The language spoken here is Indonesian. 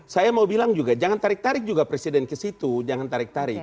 saya mau bilang juga jangan tarik tarik juga presiden ke situ jangan tarik tarik